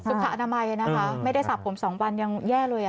สุขอนามัยนะครับไม่ได้สับผม๒วันยังแย่เลย